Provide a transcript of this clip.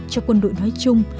cho quân đội nói chung